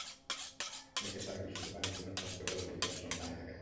লেকের পাড়ে বিশুদ্ধ পানির জন্য স্থাপিত কলে বেশির ভাগ সময় পানি থাকে না।